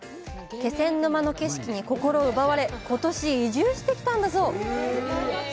気仙沼の景色に心奪われ今年、移住してきたんだそう！